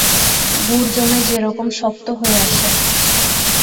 গুড় জমে যেরকম শক্ত হয়ে আসে।